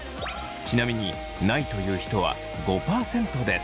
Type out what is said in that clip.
ちなみにないという人は５％です。